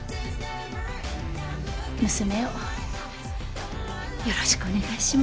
娘をよろしくお願いします。